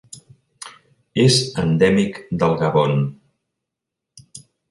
És endèmic del Gabon.